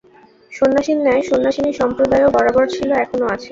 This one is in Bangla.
সন্ন্যাসীর ন্যায় সন্ন্যাসিনী-সম্প্রদায়ও বরাবর ছিল, এখনও আছে।